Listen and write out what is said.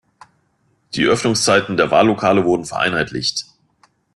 Die Öffnungszeiten der Wahllokale wurde vereinheitlicht.